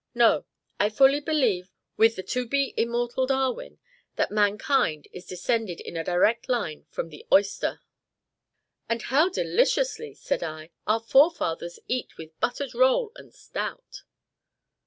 "No, I fully believe with the to be immortal Darwin, that mankind is descended in a direct line from the oyster " "And how deliciously," said I, "our forefathers eat with buttered roll and stout."